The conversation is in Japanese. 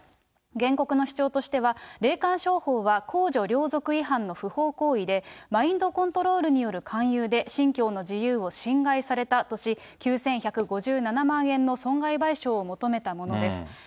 原告の主張としては、霊感商法は公序良俗違反の不法行為で、マインドコントロールによる勧誘で信教の自由を侵害されたとし、９１５７万円の損害賠償を求めたものです。